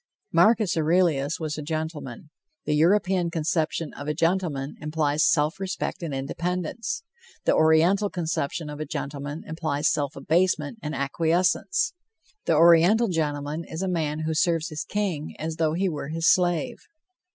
Marcus Aurelius was a gentleman. The European conception of a gentleman implies self respect and independence; the Oriental conception of a gentleman implies self abasement and acquiescence. The Oriental gentleman is a man who serves his king as though he were his slave.